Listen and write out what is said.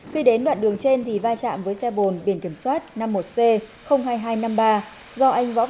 khi đến đoạn đường trên thì vai trạm với xe bồn biển kiểm soát năm mươi một c hai nghìn hai trăm năm mươi ba